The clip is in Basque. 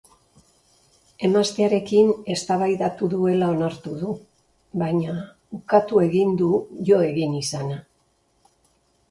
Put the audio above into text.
Emaztearekin eztabaidatu duela onartu du, baina ukatu egin du jo egin izana.